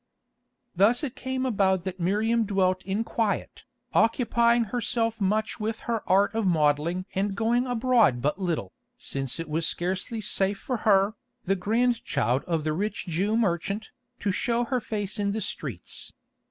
Thus it came about that Miriam dwelt in quiet, occupying herself much with her art of modelling and going abroad but little, since it was scarcely safe for her, the grandchild of the rich Jew merchant, to show her face in the streets.